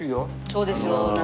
そうですよ夏。